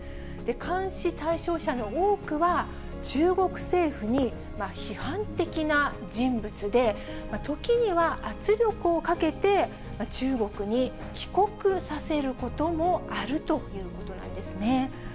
監視対象者の多くは、中国政府に批判的な人物で、時には圧力をかけて、中国に帰国させることもあるということなんですね。